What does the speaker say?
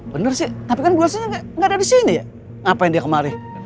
bener sih tapi kan bu elsa gak ada disini ya ngapain dia kemari